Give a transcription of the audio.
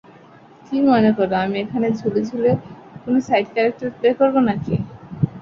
কি মনে করো, আমি এখানে ঝুলে ঝুলে কোন সাইড ক্যারেক্টার প্লে করবো নাকি?